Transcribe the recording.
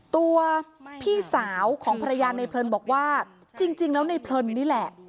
ตัวพี่สาวของภรรยาในเพลินบอกว่าจริงแล้วในเพลินนี่แหละ